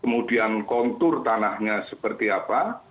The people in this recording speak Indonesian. kemudian kontur tanahnya seperti apa